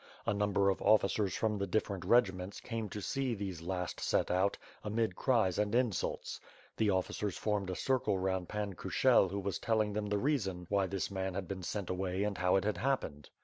A number of officers from the different regiments, came to see these last set out, amid cries *and insults. The officers formed a circle round Pan Kushel who was telling them the reason why this man had been sent away and how it had happened.